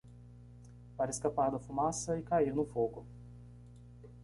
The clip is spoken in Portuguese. Para escapar da fumaça? e cair no fogo.